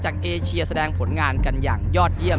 เอเชียแสดงผลงานกันอย่างยอดเยี่ยม